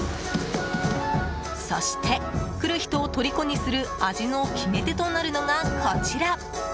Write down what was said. そして、来る人をとりこにする味の決め手となるのが、こちら。